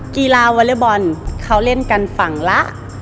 กีฬาวาเลอร์บอนเค้าเล่นกันฝั่งละ